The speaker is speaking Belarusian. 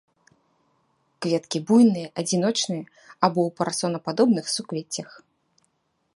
Кветкі буйныя, адзіночныя або ў парасонападобных суквеццях.